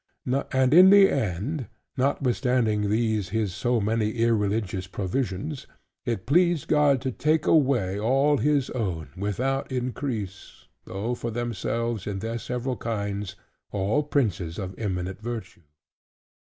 And in the end (notwithstanding these his so many irreligious provisions) it pleased God to take away all his own, without increase; though, for themselves in their several kinds, all princes of eminent virtue.